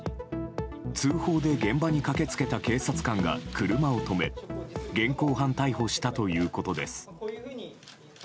通報で現場に駆け付けた警察官が車を止め現行犯逮捕したということです。